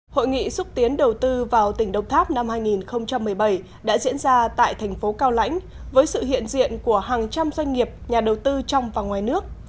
hội nghị xúc tiến đầu tư vào tỉnh đồng tháp năm hai nghìn một mươi bảy đã diễn ra tại thành phố cao lãnh với sự hiện diện của hàng trăm doanh nghiệp nhà đầu tư trong và ngoài nước